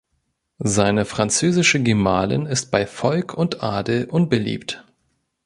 Seine französische Gemahlin ist bei Volk und Adel unbeliebt.